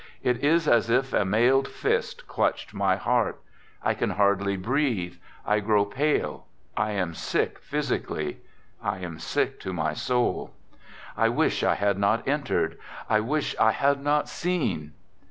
It is as if a mailed fist clutched my heart; I can hardly breathe; I grow pale ; I am sick physically ; I am sick to my soul. I wish I had not entered. I wish I had not seen.